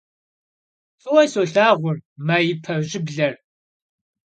F'ıue solhağur maipe şıbler.